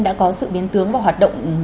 đã có sự biến tướng và hoạt động